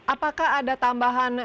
apakah ada tambahan